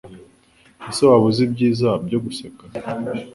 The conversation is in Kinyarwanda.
Ese waba uzi ibyiza byo guseka